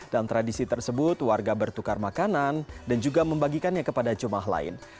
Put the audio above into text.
dan tradisi tersebut warga bertukar makanan dan juga membagikannya kepada jum'ah lain